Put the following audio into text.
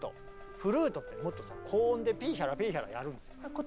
フルートってもっとさ高音でピーヒャラピーヒャラやるんですよ。